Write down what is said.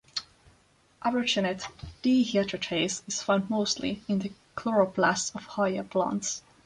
Arogenate dehydratase is found mostly in the chloroplasts of higher plants.